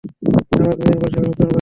আবার কিছু দিন পর সেগুলো মৃত্যুবরণ করছে।